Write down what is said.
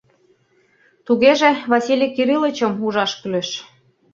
— Тугеже Василий Кириллычым ужаш кӱлеш.